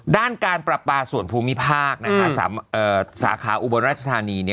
ด้านการปรับปลาส่วนภูมิภาคสาขาอุบลราชธานี